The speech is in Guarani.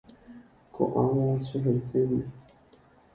Koʼág̃a chehaitéma”.